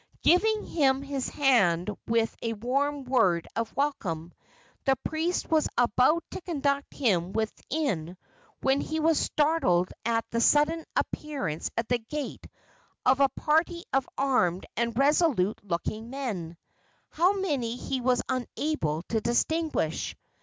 Giving him his hand with a warm word of welcome, the priest was about to conduct him within when he was startled at the sudden appearance at the gate of a party of armed and resolute looking men how many he was unable to distinguish.